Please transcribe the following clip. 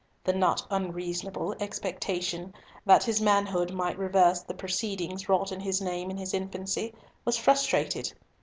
The not unreasonable expectation, that his manhood might reverse the proceedings wrought in his name in his infancy, was frustrated.